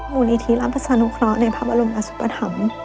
มูลนิธีรับสนุขร้องในภาพอรมณ์กับสุพธรรม